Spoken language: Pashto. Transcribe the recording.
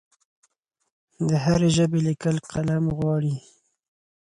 د هرې ژبې لیکل قلم غواړي.